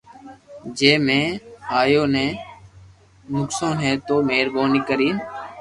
جي مون اپو ني نقسون ھي تو مھربوبي ڪرين